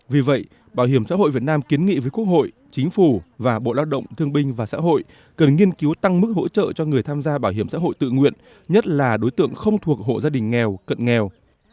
vì vậy bảo hiểm xã hội việt nam kiến nghị với quốc hội chính phủ và bộ lao động thương binh và xã hội cần nghiên cứu tăng mức hỗ trợ cho người tham gia bảo hiểm xã hội tự nguyện nhất là đối tượng không thuộc hộ gia đình nghèo cận nghèo